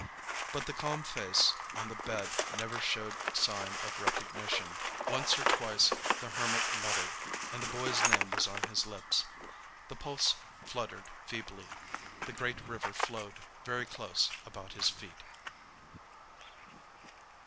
But the calm face on the bed never showed sign of recognition. Once or twice the Hermit muttered, and his boy's name was on his lips. The pulse fluttered feebly. The great river flowed very close about his feet.